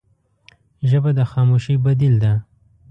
ژبه د خاموشۍ بدیل ده